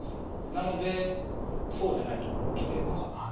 なのでそうじゃない所を切れば。